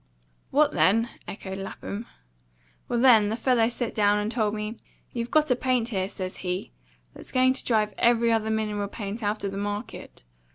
"What then?" echoed Lapham. "Well, then, the fellow set down and told me, 'You've got a paint here,' says he, 'that's going to drive every other mineral paint out of the market.